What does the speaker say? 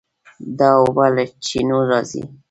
دا اوبه له چینو راځي.